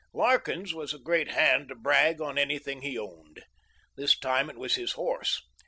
Larkins was a great hand to brag on any thing he owned. This time it was his horse.